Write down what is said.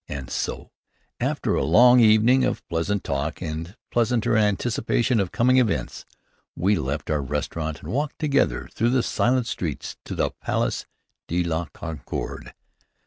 And so, after a long evening of pleasant talk and pleasanter anticipation of coming events, we left our restaurant and walked together through the silent streets to the Place de la Concorde.